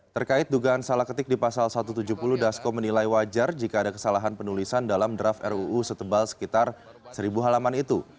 terkait dugaan salah ketik di pasal satu ratus tujuh puluh dasko menilai wajar jika ada kesalahan penulisan dalam draft ruu setebal sekitar seribu halaman itu